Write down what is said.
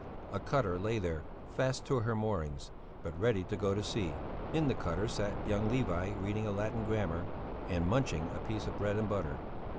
A cutter lay there, fast to her moorings, but ready to go to sea; in the cutter sat young Levi reading a Latin grammar and munching a piece of bread and butter.